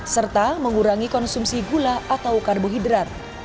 serta mengurangi konsumsi gula atau karbohidrat